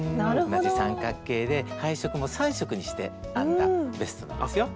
同じ三角形で配色も３色にして編んだベストなんですよ。